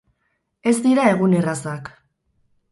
Ez dira egun errazak.